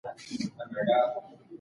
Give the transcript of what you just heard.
دغه ټولنې دود ژوندی ساتي.